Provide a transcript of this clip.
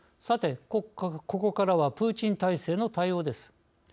さて、ここからはプーチン体制の対応です。